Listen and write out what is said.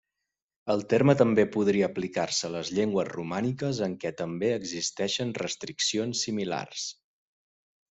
El terme també podria aplicar-se a les llengües romàniques en què també existeixen restriccions similars.